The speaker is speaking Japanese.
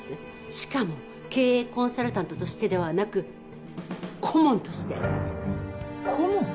しかも経営コンサルタントとしてではなく顧問として。顧問？